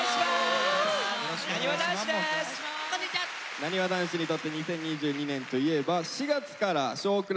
なにわ男子にとって２０２２年といえば４月から「少クラ」